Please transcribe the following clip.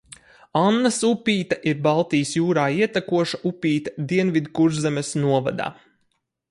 Annas upīte ir Baltijas jūrā ietekoša upīte Dienvidkurzemes novadā.